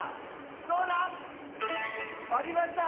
どうだ⁉ありました。